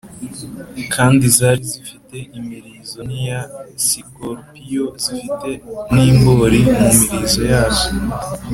Kandi zari zifite imirizo nk’iya sikorupiyo zifite n’imbōri mu mirizo yazo,